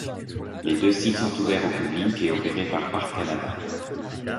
Les deux sites sont ouverts au public et opérés par Parcs Canada.